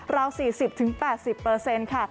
ราว๔๐๘๐ค่ะ